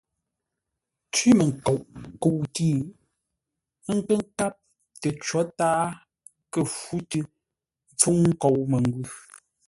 Cwímənkoʼ kə̂u tʉ́, ə́ nkə́ nkáp tə có tǎa kə̂ fú tʉ́ ḿpfúŋ nkou məngwʉ̂.